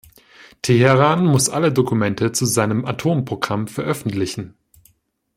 Teheran muss alle Dokumente zu seinem Atomprogramm veröffentlichen.